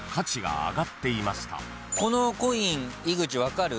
このコイン井口分かる？